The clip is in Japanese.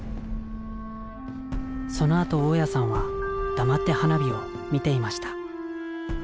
そのあと大家さんは黙って花火を見ていました。